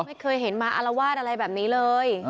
ไม่เคยเห็นมาอารวาสอะไรแบบนี้เลย